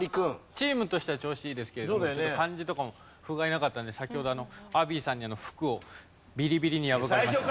チームとしては調子いいですけれどちょっと漢字とかもふがいなかったので先ほどアヴィさんに服をビリビリに破かれました。